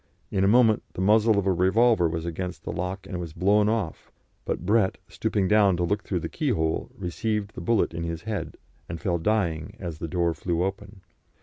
In a moment the muzzle of a revolver was against the lock, and it was blown off; but Brett, stooping down to look through the keyhole, received the bullet in his head, and fell dying as the door flew open.